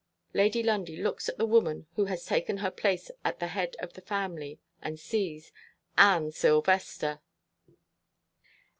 Lady Lundie looks at the woman who has taken her place at the head of the family; and sees ANNE SILVESTER!